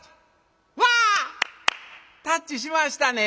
わあたっちしましたね。